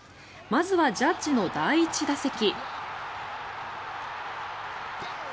まずはジャッジの第１打席。